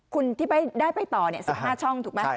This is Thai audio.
คุณที่ได้ไปต่อ๑๕ช่องถูกไหม